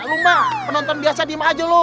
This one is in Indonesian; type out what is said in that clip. lu mah penonton biasa diam aja lu